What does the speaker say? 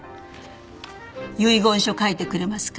遺言書書いてくれますか？